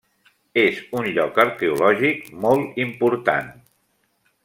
És un lloc arqueològic molt important.